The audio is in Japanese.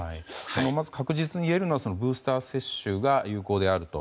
まず確実にいえるのはブースター接種が有効であると。